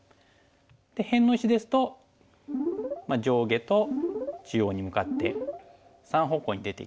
で辺の石ですと上下と中央に向かって３方向に出ていきます。